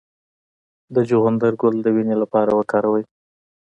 د چغندر ګل د وینې لپاره وکاروئ